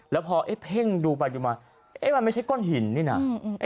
แล้วพอเพ่งดูมามันไม่ใช่ก้อนหินนี่นะ